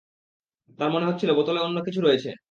তার মনে হচ্ছিল বোতলে অন্য কিছু রয়েছে।